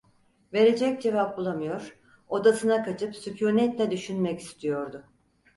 Verecek cevap bulamıyor, odasına kaçıp sükûnetle düşünmek istiyordu.